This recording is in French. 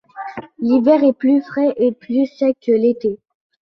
L'hiver est plus frais et plus sec que l'été.